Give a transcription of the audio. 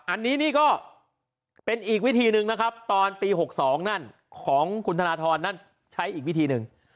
อันนี้นี่ก็เป็นอีกวิธีหนึ่งนะครับตอนปี๖๒นั่นของคุณธนทรนั่นใช้อีกวิธีหนึ่ง